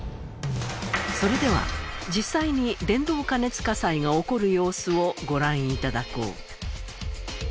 それでは実際に伝導過熱火災が起こる様子をご覧頂こう。